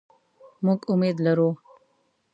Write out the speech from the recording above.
مونږ امید لرو